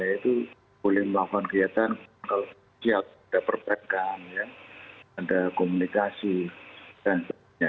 itu boleh melakukan kegiatan kalau ada perbankan ada komunikasi dan sebagainya